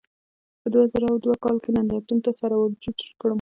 په دوه زره دوه کال کې نندارتون ته سر ورجوت کړم.